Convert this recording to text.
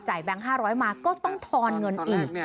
แบงค์๕๐๐มาก็ต้องทอนเงินอีก